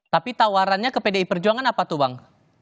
tapi tawarannya ke pdi perjuangan apa tuh bang